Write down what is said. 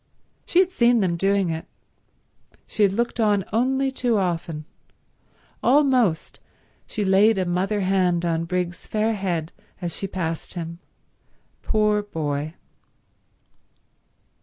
She had seen them doing it. She had looked on only too often. Almost she laid a mother hand on Briggs's fair head as she passed him. Poor boy.